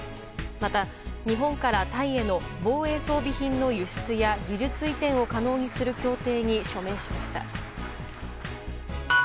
また、日本からタイへの防衛装備品の輸出や技術移転を可能にする協定に署名しました。